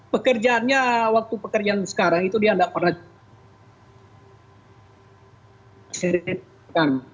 pekerjaannya waktu pekerjaan sekarang itu dia tidak pernah seriuskan